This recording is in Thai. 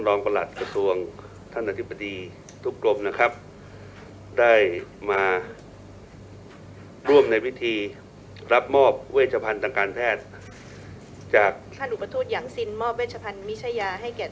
รองนายยกษัตริย์ไม่ต้องถ่ายบู๋อะเนาะเป็นการรู้ตัวแทนน่ะค่ะ